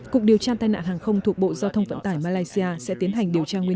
cục điều tra tai nạn hàng không thuộc bộ giao thông vận tải malaysia sẽ tiến hành điều tra nguyên nhân